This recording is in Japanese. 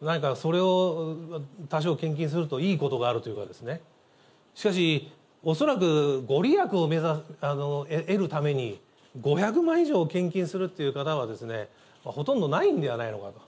何かそれを多少献金するといいことがあるというようなですね、しかし、恐らくご利益を得るために５００万以上献金するという方は、ほとんどないんではないのかと。